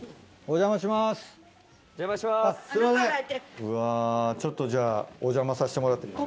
うわちょっとじゃあお邪魔させてもらって。